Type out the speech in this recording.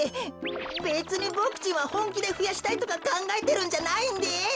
べつにボクちんはほんきでふやしたいとかかんがえてるんじゃないんです。